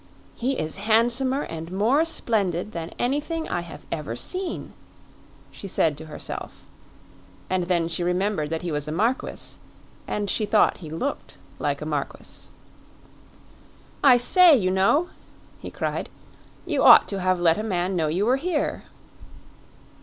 "He is handsomer and more splendid than anything I have ever seen," she said to herself. And then she remembered that he was a marquis, and she thought he looked like a marquis. "I say, you know," he cried, "you ought to have let a man know you were here!"